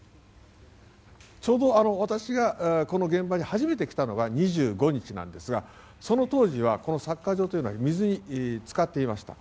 ちょうど私がこの現場に初めて来たのが２５日なんですがその当時は、このサッカー場は水に浸かっていました。